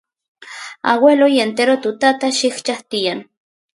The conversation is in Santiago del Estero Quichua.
agueloy entero tutata llikchas tiyan